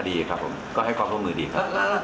ระหว่างสอบปลักคำอยู่ในนั้น